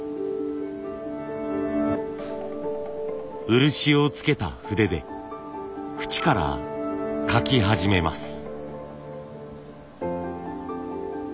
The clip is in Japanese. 漆をつけた筆で縁から描き始めます。